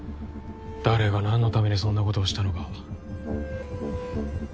誰が何のためにそんな事をしたのか。